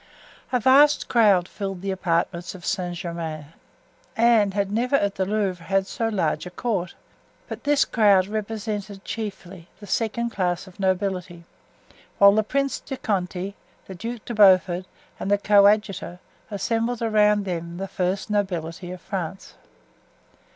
A vast crowd filled the apartments of Saint Germain. Anne had never at the Louvre had so large a court; but this crowd represented chiefly the second class of nobility, while the Prince de Conti, the Duc de Beaufort and the coadjutor assembled around them the first nobility of France.